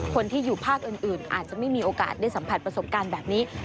คนที่อยู่ภาคอื่นอาจจะไม่มีโอกาสได้สัมผัสประสบการณ์แบบนี้